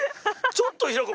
ちょっと開く。